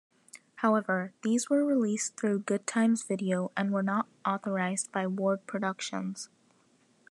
However, these were released through Goodtimes Video and were not authorized by Ward Productions.